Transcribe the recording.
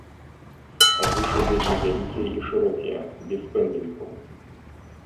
Вушы вельмі вялікія і шырокія, без пэндзлікаў.